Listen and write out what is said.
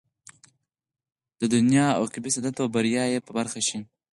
د دنيا او عقبى سعادت او بريا ئې په برخه شي